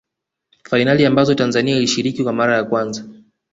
fainali ambazo tanzania ilishiriki kwa mara ya kwanza